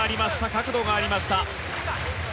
角度がありました。